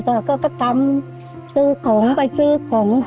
แต่ก็ทำซื้อของไปซื้อของ